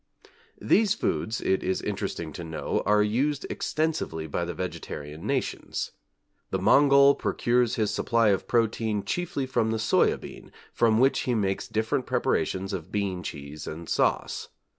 These foods, it is interesting to know are used extensively by the vegetarian nations. The Mongol procures his supply of protein chiefly from the Soya bean from which he makes different preparations of bean cheese and sauce.